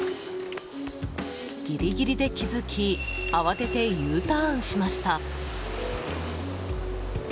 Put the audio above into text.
ギリギリで気づき慌ててＵターンしました。